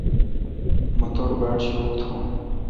مہ توٹھ باڑ شوک تھون۔